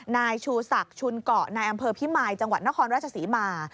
นายชูศักดิ์ชุนเกาะนายอำเภอพิมายจังหวัดนครราชศรีมา